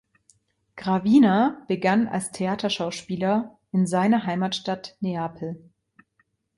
Gravina begann als Theaterschauspieler in seiner Heimatstadt Neapel.